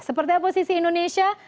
seperti apa posisi indonesia